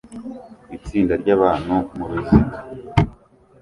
itsinda ryabantu muruziga